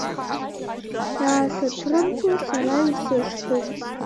Иаасыцрымҵуа сара исышьҭоуп.